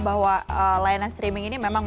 bahwa layanan streaming ini memang